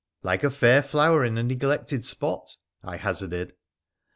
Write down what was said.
' Like a fair flower in a neglected spot,' I hazarded.